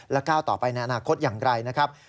ก้าวต่อไปในอนาคตอย่างไรนะครับ